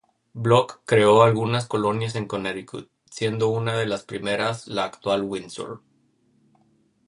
Block creó algunas colonias en Connecticut, siendo una de las primeras la actual Windsor.